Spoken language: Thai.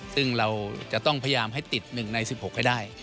ซึ่งเราจะต้องพยายามให้ติด๑ใน๑๖ให้ได้